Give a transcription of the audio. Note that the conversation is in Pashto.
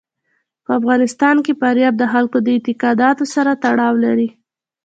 په افغانستان کې فاریاب د خلکو د اعتقاداتو سره تړاو لري.